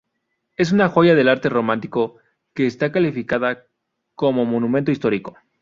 Es una joya del arte románico, que está calificada como monumento histórico.